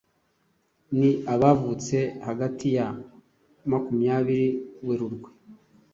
ni abavutse hagati ya makumyabiri Werurwe